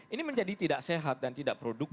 ini menjadi tidak sehat dan tidak produktif